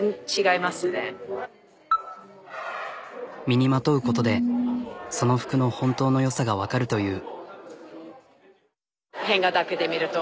身にまとうことでその服の本当のよさがわかるという。